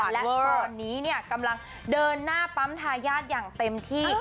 และตอนนี้เนี่ยกำลังเดินหน้าปั๊มทายาทอย่างเต็มที่